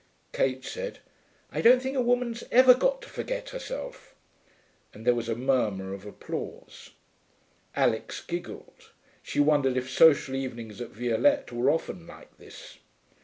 Kate said, 'I don't think a woman's ever got to forget herself,' and there was a murmur of applause. Alix giggled. She wondered if social evenings at Violette were often like this.